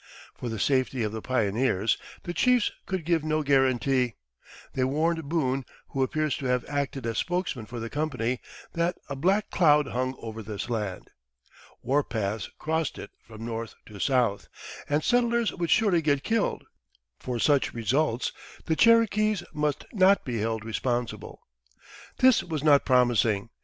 For the safety of the pioneers the chiefs could give no guarantee; they warned Boone, who appears to have acted as spokesman for the company, that "a black cloud hung over this land," warpaths crossed it from north to south, and settlers would surely get killed; for such results the Cherokees must not be held responsible. This was not promising.